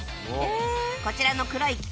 こちらの黒い機械